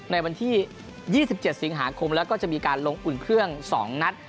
ในวันที่๒๗สิงหาคมแล้วก็จะมีการลงอุ่นเครื่อง๒นัด